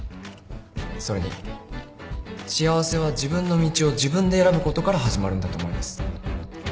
それに幸せは自分の道を自分で選ぶことから始まるんだと思います。